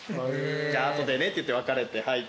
じゃあ後でねって言って別れて入って。